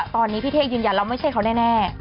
ตอนนี้พี่เท่ยืนยันแล้วไม่ใช่เขาแน่